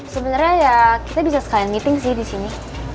sebenernya ya kita bisa sekalian meeting sih disini